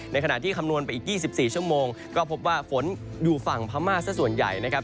ขณะที่คำนวณไปอีก๒๔ชั่วโมงก็พบว่าฝนอยู่ฝั่งพม่าซะส่วนใหญ่นะครับ